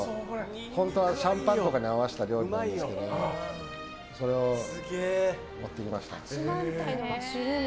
本当はシャンパンとかに合わせた料理なんですけどそれを持ってきました。